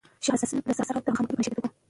شاه حسین به له سهاره تر ماښامه په نشه کې ډوب و.